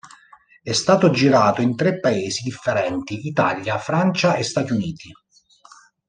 È stato girato in tre paesi differenti Italia, Francia e Stati Uniti.